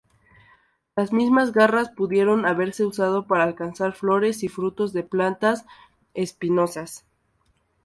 Las mismas garras pudieron haberse usado para alcanzar flores y frutos de plantas espinosas.